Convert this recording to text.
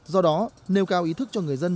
do đó nêu cao ý thức cho người dân